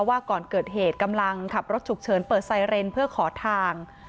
ว่าก่อนเกิดเหตุกำลังขับรถฉุกเฉินเปิดไซเรนเพื่อขอทาง